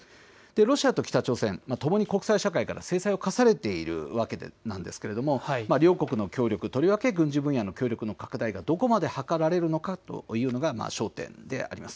ロシアと北朝鮮、ともに国際社会から制裁を科されているわけなんですが両国の協力、とりわけ軍事分野の協力の拡大がどこまで図れるのかが焦点であります。